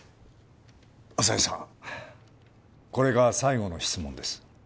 朝井さんこれが最後の質問です